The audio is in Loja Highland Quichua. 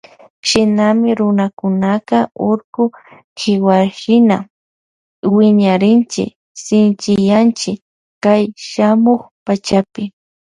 Shinami runakunaka urku kiwashina wiñarinchi shinchiyanchi kay shamuk pachapi.